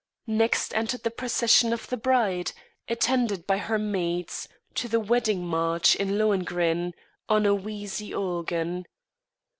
Next entered the procession of the bride, attended by her maids, to the "Wedding March" in Lohengrin, on a wheezy organ.